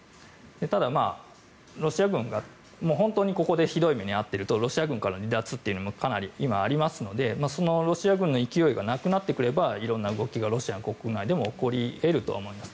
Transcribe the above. ただ、ロシア軍が本当にここでひどい目に遭っているとロシア軍から離脱というのもかなり今、ありますのでロシア軍の勢いがなくなってくれば色んな動きがロシア国内でも起こり得るとは思います。